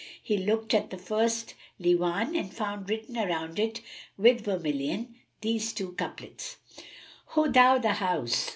He looked at the first Líwán and found written around it with vermilion these two couplets, "Ho thou the House!